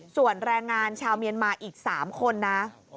ส่วนแรงงานชาวเมียนมาอีก๓คนนะ